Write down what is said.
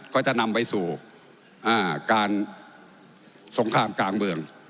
ก็จะนำไปสู่การสงครามกลางเมือง